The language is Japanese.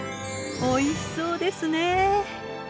おいしそうですね。